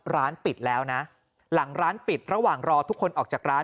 ร้านปิดแล้วนะหลังร้านปิดระหว่างรอทุกคนออกจากร้าน